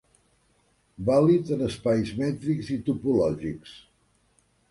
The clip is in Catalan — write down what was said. Vàlid en espais mètrics i topològics.